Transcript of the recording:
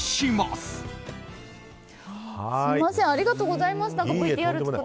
すみませんありがとうございます。